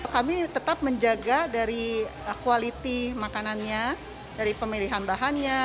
kami tetap menjaga dari quality makanannya dari pemilihan bahannya